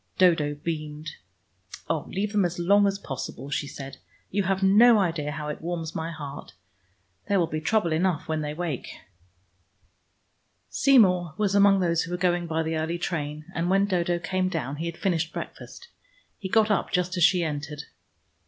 Dodo beamed. "Oh, leave them as long as possible," she said. "You have no idea how it warms my heart. There will be trouble enough when they awake." Seymour was among those who were going by the early train, and when Dodo came down he had finished breakfast. He got up just as she entered.